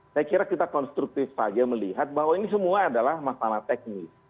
saya kira kita konstruktif saja melihat bahwa ini semua adalah masalah teknis